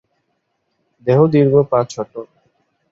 দেহ দীর্ঘ, পা ছোট।